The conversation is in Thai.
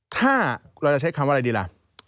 ถ้าเราจะใช้คำว่าอะไรดีล่ะ